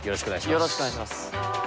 よろしくお願いします。